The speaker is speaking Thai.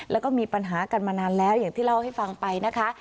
แล้วก็มีปัญหากันมานานแล้วอย่างที่เล่าให้ฟังไปนะคะ